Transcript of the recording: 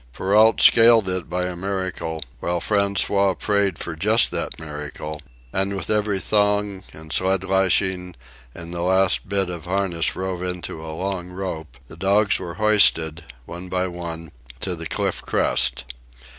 Perrault scaled it by a miracle, while François prayed for just that miracle; and with every thong and sled lashing and the last bit of harness rove into a long rope, the dogs were hoisted, one by one, to the cliff crest.